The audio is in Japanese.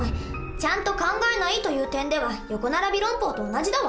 ちゃんと考えないという点では「横ならび論法」と同じだわ。